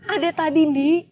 ada tadi nih